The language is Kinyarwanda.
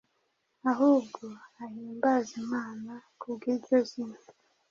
ahubwo ahimbaze Imana kubw’iryo zina. »«